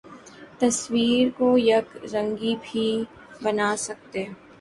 تصویر کو یک رنگی بھی بنا سکتے